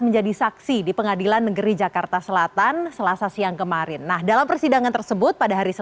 menjadi saksi di pengadilan negeri jakarta selatan selasa siang kemarin nah dalam persidangan tersebut pada hari